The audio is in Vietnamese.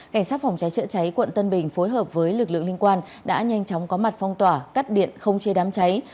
cảnh sát phòng cháy chữa cháy quận tân bình phối hợp với lực lượng liên quan đã nhanh chóng có mặt phong tỏa cắt điện không chê đám cháy